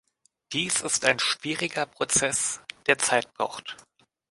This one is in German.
Dies ist ein schwieriger Prozess, der Zeit braucht.